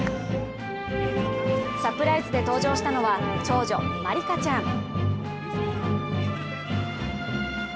サプライズで登場したのは長女・茉莉花ちゃん。